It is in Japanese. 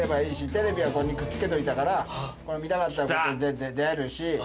テレビはここにくっつけといたから見たかったらこうやって出るし。